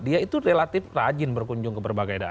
dia itu relatif rajin berkunjung ke berbagai daerah